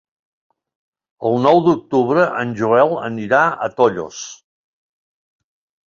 El nou d'octubre en Joel anirà a Tollos.